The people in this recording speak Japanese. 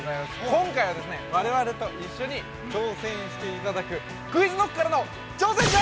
今回は、我々と一緒に、挑戦していただくＱｕｉｚＫｎｏｃｋからの挑戦状。